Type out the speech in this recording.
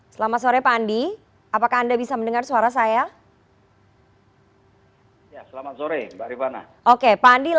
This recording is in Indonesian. selamat sore pak andi